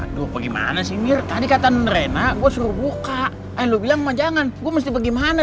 aduh bagaimana sih mir tadi kata rena gue suruh buka eh lo bilang sama jangan gue mesti bagaimana